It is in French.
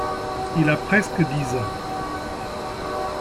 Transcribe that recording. Il a presque dix ans.